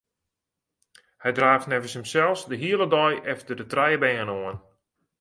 Hy draaft neffens himsels de hiele dei efter de trije bern oan.